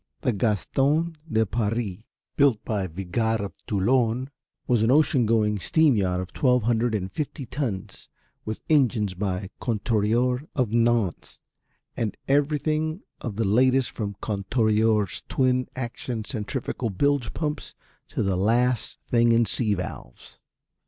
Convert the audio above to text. The Gaston de Paris built by Viguard of Toulon was an ocean going steam yacht of twelve hundred and fifty tons with engines by Conturier of Nantes and everything of the latest from Conturier's twin action centrifugal bilge pumps to the last thing in sea valves.